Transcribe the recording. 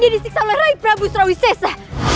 dia disiksa oleh rai prabu surawisesa